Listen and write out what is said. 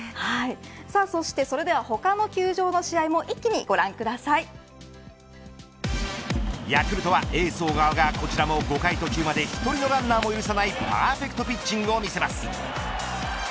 そして、それでは他の球場のヤクルトはエース小川こちらも５回途中まで１人のランナーも許さないパーフェクトピッチングを見せます。